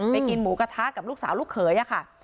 กินหมูกระทะกับลูกสาวลูกเขยค่ะ